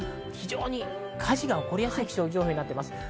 非常に火事が起こりやすい気象情報になっています。